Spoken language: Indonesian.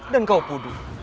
dan kau pudu